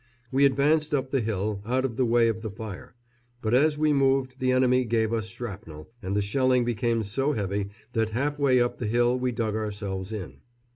We advanced up the hill, out of the way of the fire; but as we moved the enemy gave us shrapnel, and the shelling became so heavy that half way up the hill we dug ourselves in.